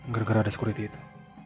gara gara ada security itu